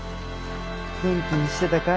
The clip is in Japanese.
元気にしてたかい？